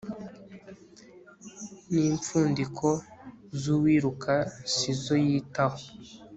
n'impfundiko z'uwiruka si zo yitaho